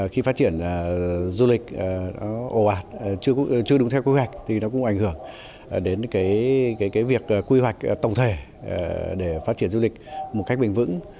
khi phát triển du lịch nó ồ ạt chưa đúng theo quy hoạch thì nó cũng ảnh hưởng đến việc quy hoạch tổng thể để phát triển du lịch một cách bền vững